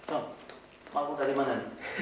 om mau kemana